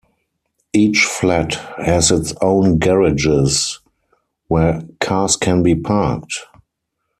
Each flat has its own garages where cars can be parked.